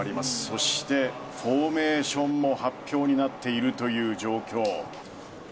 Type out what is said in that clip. そして、フォーメーションも発表になっているという状況。